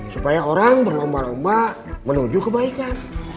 supaya orang berlomba lomba menuju kebaikan